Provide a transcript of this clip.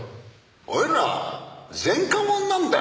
俺らは前科者なんだよ？